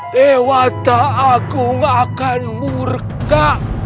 dewa tak agung akan murka